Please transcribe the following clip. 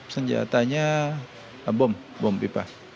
senjatanya bom bom pipa